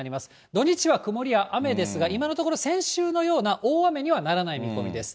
土日は曇りや雨ですが、今のところ、先週のような大雨にはならない見込みです。